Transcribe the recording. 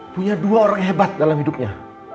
punya dua orang hebat dalam hidupnya